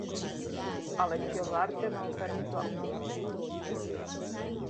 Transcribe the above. Aleĉjo larĝe malfermis la okulojn.